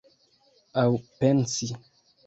Aŭ pensi.